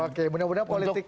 oke mudah mudahan politik